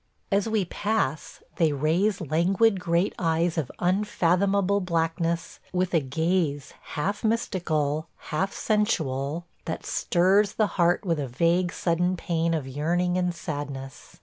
... As we pass, they raise languid great eyes of unfathomable blackness with a gaze half mystical, half sensual, that stirs the heart with a vague sudden pain of yearning and sadness.